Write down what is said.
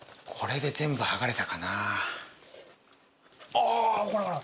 あほらほら